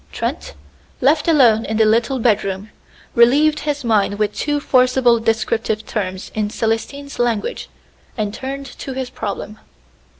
Trent, left alone in the little bedroom, relieved his mind with two forcible descriptive terms in Célestine's language, and turned to his problem.